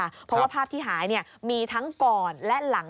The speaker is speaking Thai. เพราะว่าภาพที่หายมีทั้งก่อนและหลัง